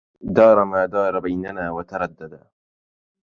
دار ما دار بيننا وتردد